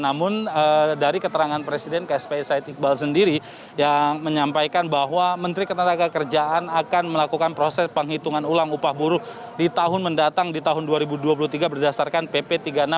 namun dari keterangan presiden kspi said iqbal sendiri yang menyampaikan bahwa menteri ketenagakerjaan akan melakukan proses penghitungan ulang upah buruh di tahun mendatang di tahun dua ribu dua puluh tiga berdasarkan pp tiga puluh enam